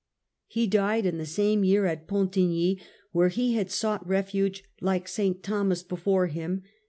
He died in the same year at Pontigny, where he had sought refuge like S. Thomas before him.